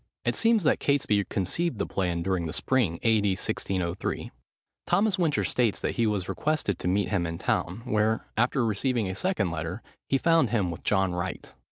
It seems that Catesby conceived the plan during the spring, A.D. 1603. Thomas Winter states that he was requested to meet him in town; where, after receiving a second letter, he found him with John Wright.